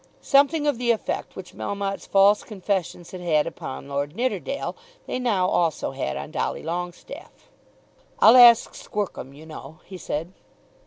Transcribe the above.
Something of the effect which Melmotte's false confessions had had upon Lord Nidderdale, they now also had on Dolly Longestaffe. "I'll ask Squercum, you know," he said.